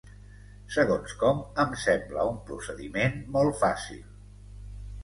Segons com, em sembla un procediment molt fàcil.